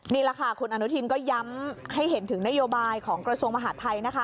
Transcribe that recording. นี่แหละค่ะคุณอนุทินก็ย้ำให้เห็นถึงนโยบายของกระทรวงมหาดไทยนะคะ